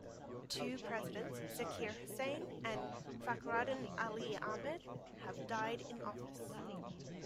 Two presidents, Zakir Husain and Fakhruddin Ali Ahmed, have died in office.